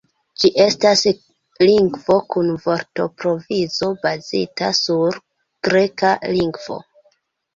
Ĝi estas lingvo kun vortprovizo bazita sur greka lingvo.